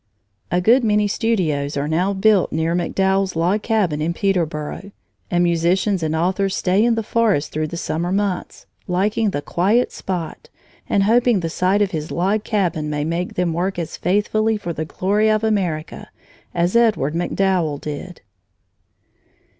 A good many studios are now built near MacDowell's log cabin in Peterboro, and musicians and authors stay in the forest through the summer months, liking the quiet spot and hoping the sight of his log cabin may make them work as faithfully for the glory of America as Edward MacDowell did.